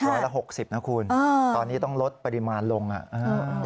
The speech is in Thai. ร้อยละหกสิบนะคุณอ่าตอนนี้ต้องลดปริมาณลงอ่ะอ่า